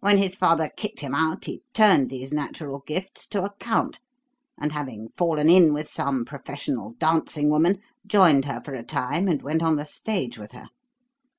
When his father kicked him out he turned these natural gifts to account, and, having fallen in with some professional dancing woman, joined her for a time and went on the stage with her.